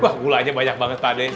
wah gulanya banyak banget pak d